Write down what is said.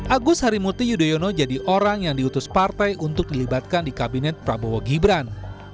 agus harimurti yudhoyono jadi orang yang diutus partai untuk dilibatkan di kabinet prabowo gibran